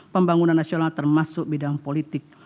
pembangunan nasional termasuk bidang politik